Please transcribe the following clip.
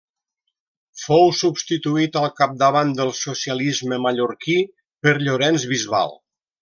Fou substituït al capdavant del socialisme mallorquí per Llorenç Bisbal.